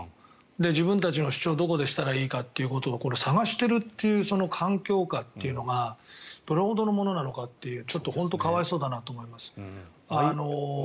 自分たちの主張をどこでしたらいいか探しているというその環境下というのがどれほどのものなのかというちょっと本当に可哀想だと思います。